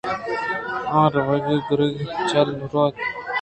آ ورگ گْرادگ ءَ چُلّ ءَ روت اِنت۔